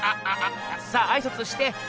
さああいさつして！